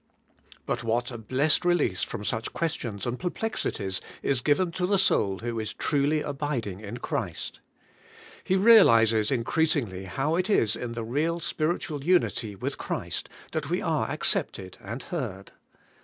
But what a blessed release from such ques tions and perplexities is given to the soul who is truly abiding in Christ! He realizes increasingly how it is in the real spiritual unity with Christ that we are accepted and heard.